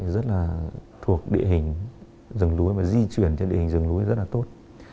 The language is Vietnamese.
rất là thuộc địa hình rừng núi và di chuyển trên địa hình rừng núi rất là tốt